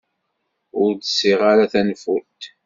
Ur d-sɣiɣ ara tanfult.